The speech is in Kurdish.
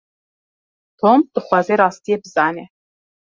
Tom dixwaze rastiyê bizane.